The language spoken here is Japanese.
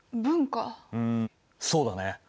うんそうだね。